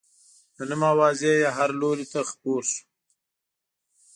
د نوم او اوازې یې هر لوري ته خپور شو.